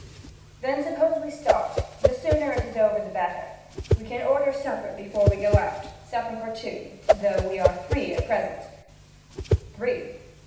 'Then suppose we start; the sooner it is over the better. We can order supper before we go out supper for two; for though we are three at present ' 'Three?'